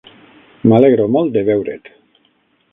M'alegro molt de veure't.